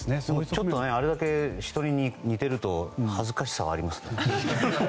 ちょっとあれだけ人に似てると恥ずかしさはありますね。